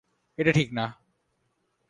এটা ঠিক না।